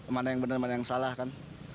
mana yang benar mana yang salah kan